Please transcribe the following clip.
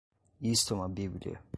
Isto é uma bíblia.